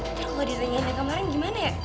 ntar kalau diranyain yang kemarin gimana ya